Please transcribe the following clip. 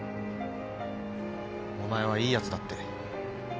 お前はいいやつだって。